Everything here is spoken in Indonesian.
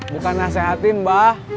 bukan nasehatin mbah